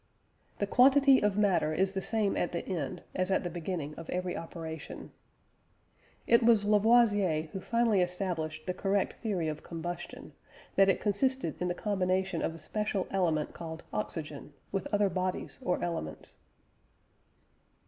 "The quantity of matter is the same at the end as at the beginning of every operation." It was Lavoisier who finally established the correct theory of combustion; that it consisted in the combination of a special element called oxygen, with other bodies or elements.